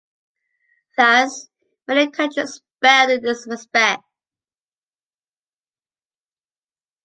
Thus many countries failed in this respect.